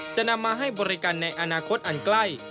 จะนำมาให้บริการในอนาคตอันใกล้